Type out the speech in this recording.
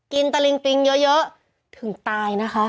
ตะลิงปริงเยอะถึงตายนะคะ